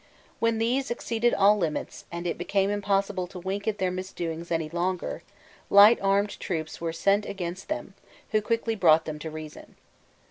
When these exceeded all limits, and it became impossible to wink at their misdoings any longer, light armed troops were sent against them, who quickly brought them to reason.